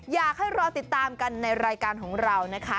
อยากให้รอติดตามกันในรายการของเรานะคะ